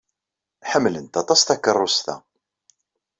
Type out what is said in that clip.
Ḥemmlent aṭas takeṛṛust-a.